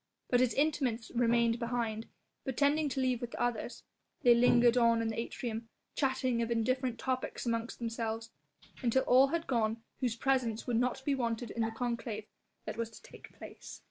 But his intimates remained behind; pretending to leave with the others, they lingered on in the atrium, chatting of indifferent topics amongst themselves, until all had gone whose presence would not be wanted in the conclave that was to take place.